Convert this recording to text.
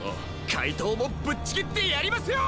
かいとうもぶっちぎってやりますよ！